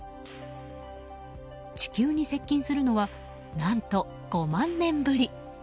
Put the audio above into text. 地球に接近するのは何と５万年ぶり。